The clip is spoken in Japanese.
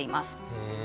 へえ。